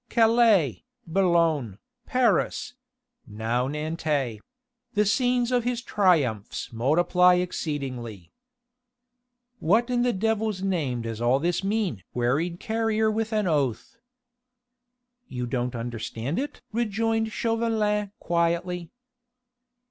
Calais, Boulogne, Paris now Nantes the scenes of his triumphs multiply exceedingly.'" "What in the devil's name does all this mean?" queried Carrier with an oath. "You don't understand it?" rejoined Chauvelin quietly.